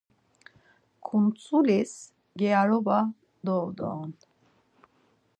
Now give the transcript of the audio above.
Ǩuntzulis gyaroba dovu doren.